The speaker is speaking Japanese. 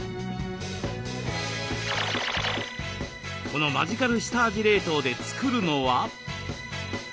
このマジカル下味冷凍で作るのは？